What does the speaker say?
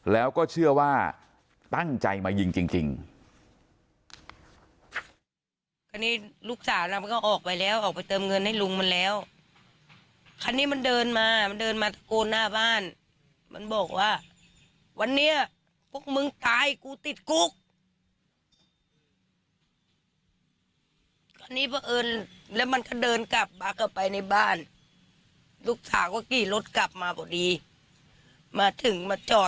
แล้วก็เชื่อว่าตั้งใจมายิงจริง